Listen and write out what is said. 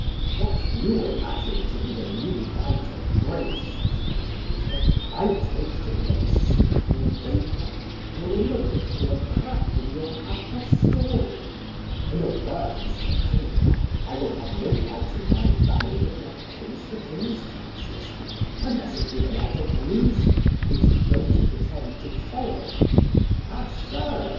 'What you imagine to be the new light of grace (said his master) I take to be a deceitful vapour, glimmering through a crack in your upper story In a word, Mr Clinker, I will have no light in my family but what pays the king's taxes, unless it be the light of reason, which you don't pretend to follow.' 'Ah, sir!